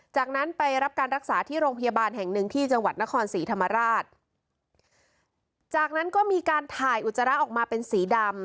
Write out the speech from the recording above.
จากนั้นไปรับการรักษาที่โรงพยาบาลแห่งหนึ่งที่จังหวัดนครศรีธรรมราชจากนั้นก็มีการถ่ายอุจจาระออกมาเป็นสีดำ